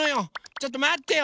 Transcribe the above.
ちょっとまってよ！